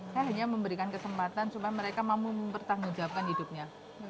saya hanya memberikan kesempatan supaya mereka mampu mempertanggungjawabkan hidupnya